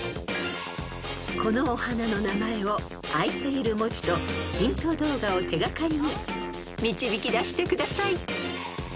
［このお花の名前をあいている文字とヒント動画を手掛かりに導き出してください］